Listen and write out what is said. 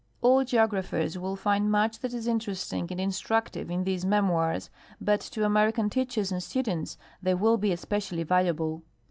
All geographers will find much that is interesting and instructive in these memoirs, but to American teachers and students they will be especially valuable.